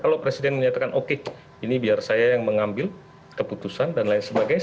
kalau presiden menyatakan oke ini biar saya yang mengambil keputusan dan lain sebagainya